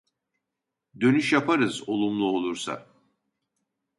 Dönüş yaparız olumlu olursa